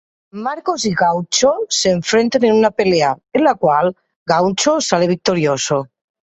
Marcos y Juancho se enfrentan en una pelea, en la cual Juancho sale victorioso.